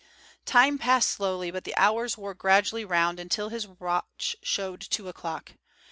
Time passed slowly, but the hours wore gradually round until his watch showed two o'clock.